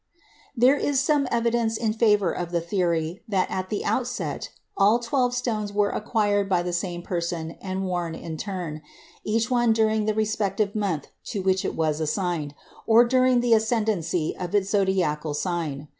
There is some evidence in favor of the theory that at the outset all twelve stones were acquired by the same person and worn in turn, each one during the respective month to which it was assigned, or during the ascendancy of its zodiacal sign.